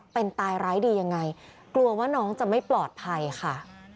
เป็นตายร้ายดียังไงกลัวว่าน้องจะไม่ปลอดภัยค่ะ